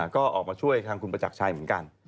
ก็ออกมาช่วยทางคุณประจักรชัยเหมือนกัน